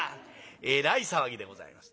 えらい騒ぎでございます。